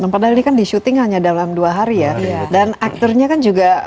padahal ini kan disyuting hanya dalam dua hari ya dan aktornya kan juga